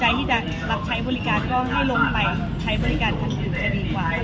หากคงไม่พระเจ้าไปใช้บริการทางคุกก็ดีกว่า